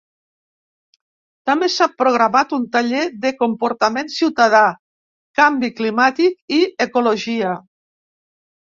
També s’ha programat un taller de comportament ciutadà, canvi climàtic i ecologia.